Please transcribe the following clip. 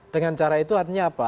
dengan cara itu artinya apa